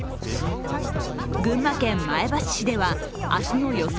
群馬県前橋市では明日の予想